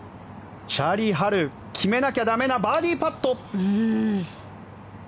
チャーリー・ハル決めなきゃ駄目なバーディーパット。